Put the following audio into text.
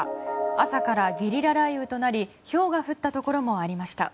朝からゲリラ雷雨となりひょうが降ったところもありました。